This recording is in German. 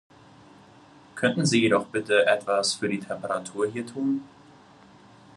Könnten Sie jedoch bitte etwas für die Temperatur hier tun?